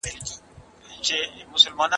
ماشوم بې باوره نه پاته کېږي.